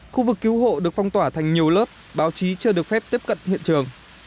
khu vực cứu hộ được phong tỏa thành nhiều lớp báo chí chưa được phép tiếp cận hiện trường